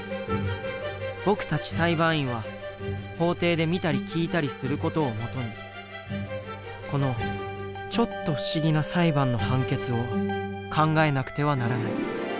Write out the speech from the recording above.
僕たち裁判員は法廷で見たり聞いたりする事を基にこのちょっと不思議な裁判の判決を考えなくてはならない。